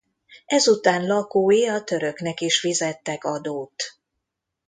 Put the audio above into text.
Ezután lakói a töröknek is fizettek adót.